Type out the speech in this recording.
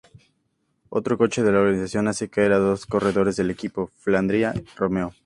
Otro coche de la organización hace caer a dos corredores del equipo Flandria-Romeo.